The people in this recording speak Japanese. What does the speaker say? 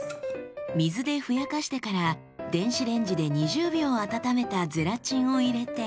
水でふやかしてから電子レンジで２０秒温めたゼラチンを入れて。